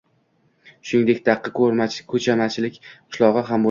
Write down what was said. Shuningdek, Daqi Ko‘chamalik qishlog‘i ham bo‘lgan